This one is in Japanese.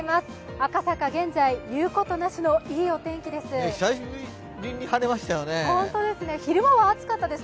赤坂、現在、言うことなしのいいお天気です。